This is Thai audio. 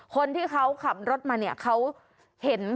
คนที่เขาขับรถมาเนี่ยเขาเห็น